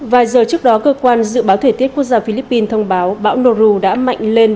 vài giờ trước đó cơ quan dự báo thời tiết quốc gia philippines thông báo bão noru đã mạnh lên